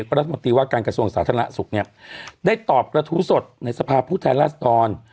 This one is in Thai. รัฐมนตรีว่าการกระทรวงสาธารณสุขเนี่ยได้ตอบกระทู้สดในสภาพผู้แทนราษดร